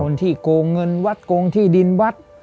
ที่โกงเงินวัดโกงที่ดินวัด